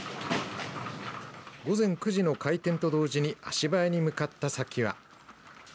午前９時の開店と同時に足早に向かった先は。